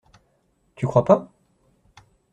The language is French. Tu crois pas?